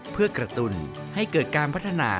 เพื่อกระตุ้นให้เกิดการพัฒนา